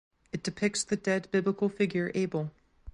It depicts the dead biblical figure Abel.